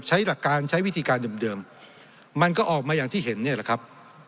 หลักการใช้วิธีการเดิมมันก็ออกมาอย่างที่เห็นเนี่ยแหละครับ